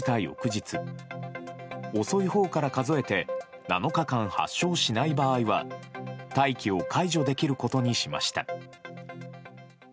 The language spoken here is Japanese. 翌日遅いほうから数えて７日間発症しない場合は待機を解除できることにしました。